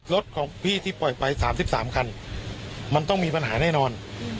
รถของพี่ที่ปล่อยไป๓๓คันมันต้องมีปัญหาแน่นอน